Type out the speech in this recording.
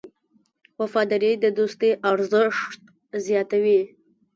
وفاداري د دوستۍ ارزښت زیاتوي.